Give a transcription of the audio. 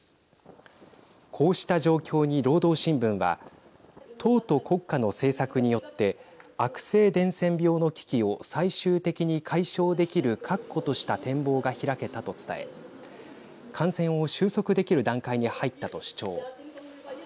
こうした状況に労働新聞は党と国家の政策によって悪性伝染病の危機を最終的に解消できる確固とした展望が開けたと伝え感染を収束できる段階に入ったと主張。